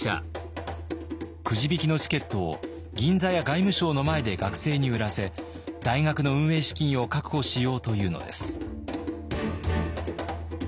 くじ引きのチケットを銀座や外務省の前で学生に売らせ大学の運営資金を確保しようというのです。